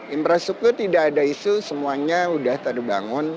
infrastruktur tidak ada isu semuanya sudah terbangun